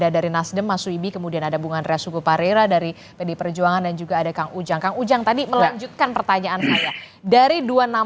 di sapa indonesia pagi